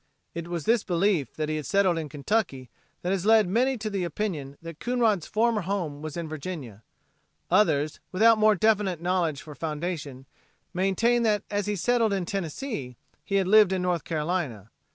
It was this belief that he had settled in Kentucky that has led many to the opinion that Coonrod's former home was in Virginia. Others, without more definite knowledge for foundation, maintain that as he settled in Tennessee he had lived in North Carolina.